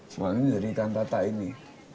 suami menjadikan kantata ini